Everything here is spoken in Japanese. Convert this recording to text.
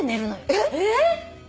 えっ！？